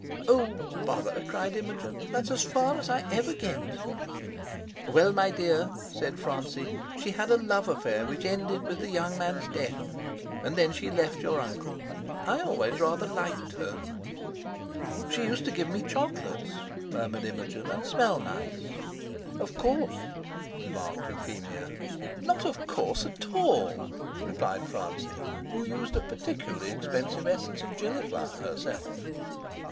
"Oh, bother!" cried Imogen; "that's as far as I ever get." "Well, my dear," said Francie, "she had a love affair which ended with the young man's death; and then she left your uncle. I always rather liked her." "She used to give me chocolates," murmured Imogen, "and smell nice." "Of course!" remarked Euphemia. "Not of course at all!" replied Francie, who used a particularly expensive essence of gillyflower herself.